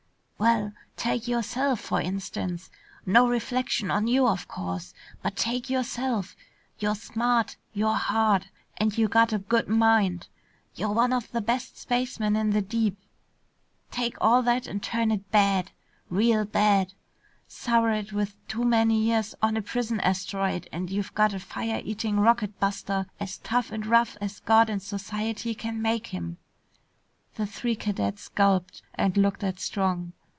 "Well, take yourself, for instance. No reflection on you, of course, but take yourself. You're smart, you're hard, and you got a good mind. You're one of the best spacemen in the deep. Take all that and turn it bad. Real bad. Sour it with too many years on a prison asteroid and you've got a fire eating rocket buster as tough and as rough as God and society can make him!" The three cadets gulped and looked at Strong.